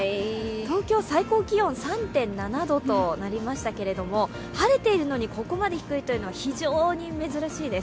東京、最高気温３．７度となりましたけど晴れているのに、ここまで低いというのは非常に珍しいです。